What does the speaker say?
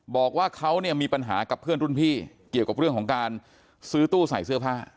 บอกว่าเขาเนี่ยมีปัญหากับเพื่อนรุ่นพี่เกี่ยวกับเรื่องของการซื้อตู้ใส่เสื้อผ้า